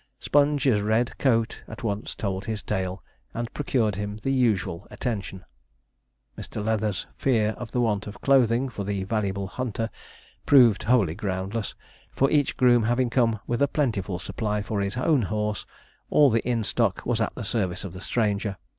Sponge's red coat at once told his tale, and procured him the usual attention. Mr. Leather's fear of the want of clothing for the valuable hunter proved wholly groundless, for each groom having come with a plentiful supply for his own horse, all the inn stock was at the service of the stranger.